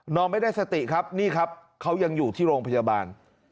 ไม่ได้สติครับนี่ครับเขายังอยู่ที่โรงพยาบาล